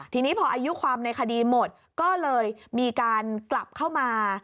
ทีนี้พออายุความในคดีหมดก็เลยมีการกลับเข้ามา